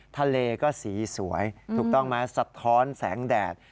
ทะเลก็สีสวยถูกต้องไหมสะท้อนแสงแดด